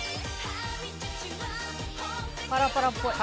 パラパラっぽい